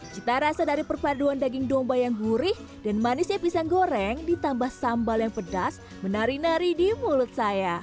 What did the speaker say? cita rasa dari perpaduan daging domba yang gurih dan manisnya pisang goreng ditambah sambal yang pedas menari nari di mulut saya